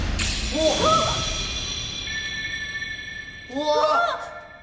うわ！